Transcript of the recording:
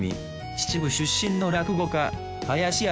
秩父出身の落語家林家